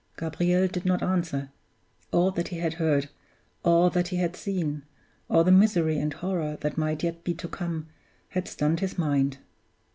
Gabriel did not answer. All that he had heard, all that he had seen, all the misery and horror that might yet be to come, had stunned his mind.